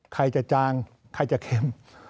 ใครจะจางใครจะเข็ม